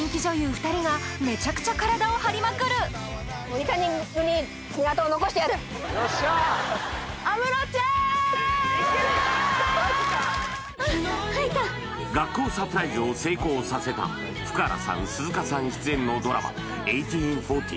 ２人がめちゃくちゃ体を張りまくる学校サプライズを成功させた福原さん鈴鹿さん出演のドラマ「１８／４０」